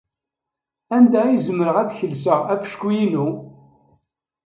Anda ay zemreɣ ad kelseɣ afecku-inu?